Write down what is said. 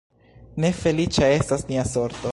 Ne feliĉa estas nia sorto!